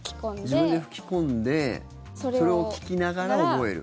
自分で吹き込んでそれを聞きながら覚える？